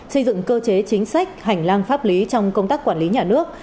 xây dựng cơ chế chính sách hành lang pháp lý trong công tác quản lý nhà nước